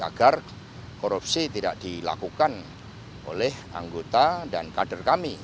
agar korupsi tidak dilakukan oleh anggota dan kader kami